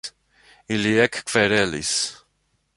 Ili ekkverelis.